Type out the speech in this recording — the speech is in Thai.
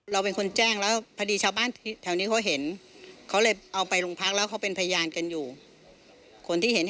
แต่ไม่ชอบว่าแค่ยินเพราะเราไม่เห็น